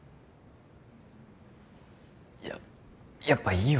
いややっぱいいよ